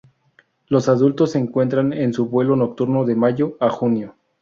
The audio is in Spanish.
Los adultos se encuentran en su vuelo nocturno de mayo a junio.